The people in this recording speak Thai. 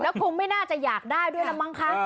แล้วคงไม่น่าจะอยากได้ด้วยละมั้งคะ